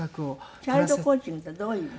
チャイルドコーチングってどういうの？